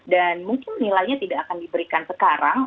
dan mungkin nilainya tidak akan diberikan sekarang